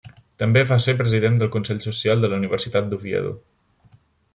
També va ser President del Consell Social de la Universitat d'Oviedo.